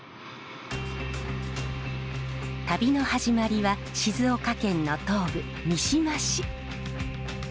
旅の始まりは静岡県の東部三島市。